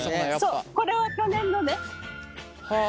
そうこれは去年のね。